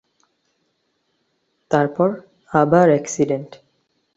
তারপর আবার এক্সিডেন্ট।